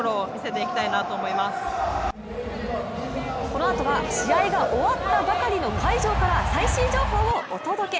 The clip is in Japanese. このあととは試合が終わったばかりの会場から最新情報をお届け。